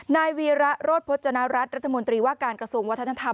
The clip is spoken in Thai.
นายวีระโรธพจนรัฐรัฐมนตรีว่าการกระทรวงวัฒนธรรม